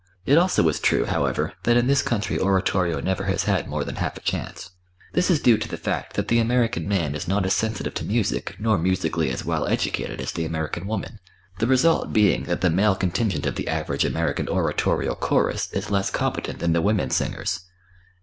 It also is true, however, that in this country oratorio never has had more than half a chance. This is due to the fact that the American man is not as sensitive to music nor musically as well educated as the American woman, the result being that the male contingent of the average American oratorio chorus is less competent than the women singers.